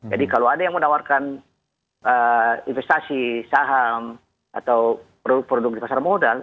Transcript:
jadi kalau ada yang menawarkan investasi saham atau produk produk di pasar modal